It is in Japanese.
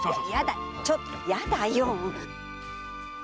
ちょっとヤダよ！